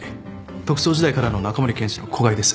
特捜時代からの中森検事の子飼いです。